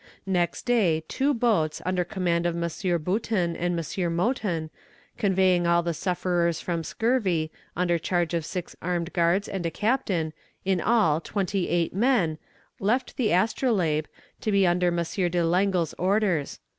"Next day two boats, under command of M. Boutin and M. Mouton, conveying all the sufferers from scurvy, under charge of six armed soldiers and a captain, in all twenty eight men, left the Astrolabe, to be under M. de Langle's orders.